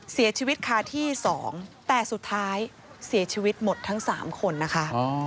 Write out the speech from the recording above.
เสียชีวิตคาที่๒แต่สุดท้ายเสียชีวิตหมดทั้ง๓คนนะคะ